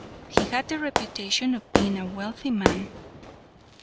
He had the reputation of being a wealthy man.